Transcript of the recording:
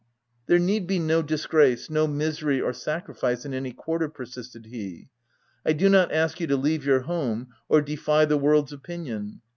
u There need be no disgrace — no misery or sacrifice in any quarter, 31 persisted he. " I do not ask you to leave your home or defy the world's opinion."